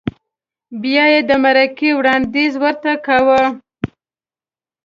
بیا یې د مرکې وړاندیز ورته کاوه؟